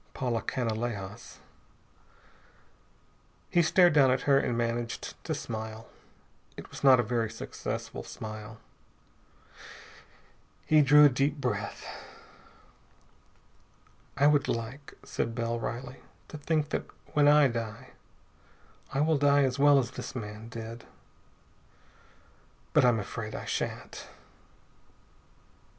Paula Canalejas. He stared down at her and managed to smile. It was not a very successful smile. He drew a deep breath. "I would like," said Bell wryly, "to think that, when I die, I will die as well as this man did. But I'm afraid I shan't."